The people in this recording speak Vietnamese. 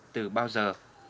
từ bao giờ